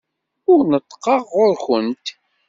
Ur neṭṭqeɣ ɣer-went.